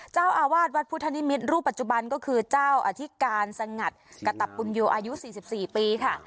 เจ้าอาวาสวัดพุทธนิมิตรรูปปัจจุบันก็คือเจ้าอธิการสงัดกะตับปุญโยอายุ๔๔ปีค่ะ